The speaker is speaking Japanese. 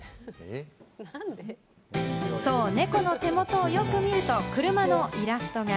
そう、猫の手元をよく見ると、車のイラストが。